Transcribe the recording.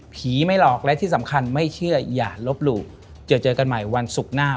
ไม่หลอกและที่สำคัญไม่เชื่ออย่าลบหลู่เจอเจอกันใหม่วันศุกร์หน้า